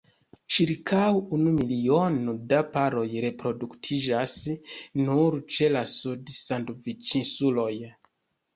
Ĉirkaŭ unu miliono da paroj reproduktiĝas nur ĉe la Sud-Sandviĉinsuloj.